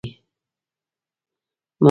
مست مازدیګر دی